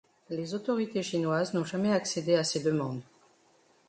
Les autorités chinoises n'ont jamais accédé à ces demandes.